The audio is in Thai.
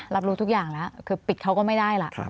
รับรู้ทุกอย่างแล้วคือปิดเขาก็ไม่ได้ล่ะ